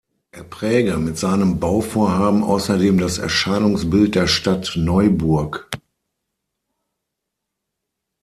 Er präge mit seinen Bauvorhaben außerdem das Erscheinungsbild der Stadt Neuburg.